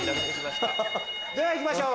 では行きましょう。